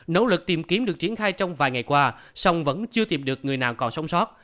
nỗ lực tìm kiếm được triển khai trong vài ngày qua song vẫn chưa tìm được người nào còn sống sót